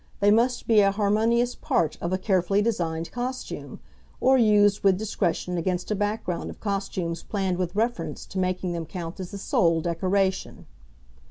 They must be a harmonious part of a carefully designed costume, or used with discretion against a background of costumes planned with reference to making them count as the sole decoration.